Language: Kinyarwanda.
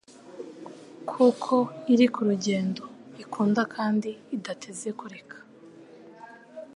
Kuko iri kurugendo ikunda kandi idateze kureka